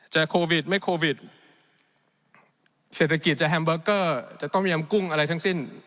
โควิดไม่โควิดเศรษฐกิจจะแฮมเบอร์เกอร์จะต้มยำกุ้งอะไรทั้งสิ้น